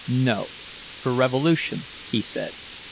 "No, for revolution," he said.